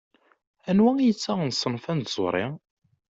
Anwa i d-yettaɣen ṣṣenf-a n tẓuṛi?